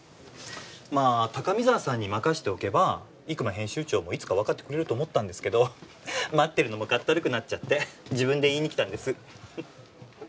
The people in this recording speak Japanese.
まあ高見沢さんに任せておけば生馬編集長もいつかわかってくれると思ったんですけど待ってるのもかったるくなっちゃって自分で言いに来たんです。